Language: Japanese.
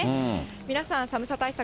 皆さん、寒さ対策